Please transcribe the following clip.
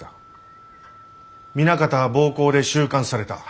南方は暴行で収監された。